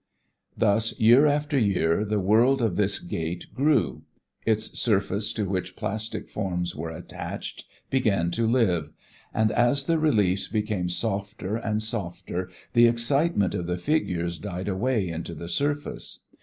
Thus year after year the world of this gate grew. Its surface to which plastic forms were attached began to live. And as the reliefs became softer and softer the excitement of the figures died away into the surface.